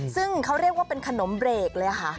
ซึ่งเขาเรียกว่าเป็นขนมเบรกเลยค่ะ